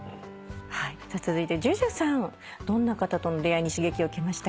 続いてＪＵＪＵさんどんな方との出会いに刺激を受けましたか？